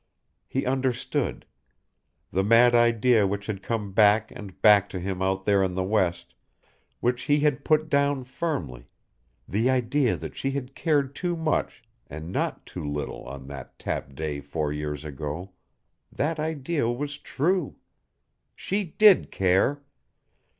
He understood. The mad idea which had come back and back to him out there in the West, which he had put down firmly, the idea that she had cared too much and not too little on that Tap Day four years ago that idea was true. She did care.